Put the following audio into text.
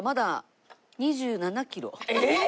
えっ！？